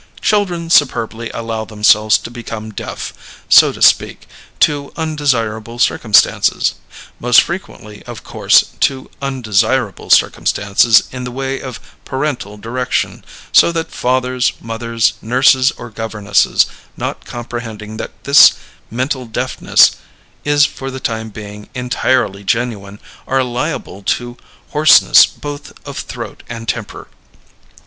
Children superbly allow themselves to become deaf, so to speak, to undesirable circumstances; most frequently, of course, to undesirable circumstances in the way of parental direction; so that fathers, mothers, nurses, or governesses, not comprehending that this mental deafness is for the time being entirely genuine, are liable to hoarseness both of throat and temper.